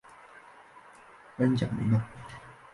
恩贾梅纳。